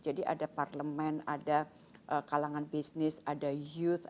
jadi ada parlemen ada kalangan bisnis ada youth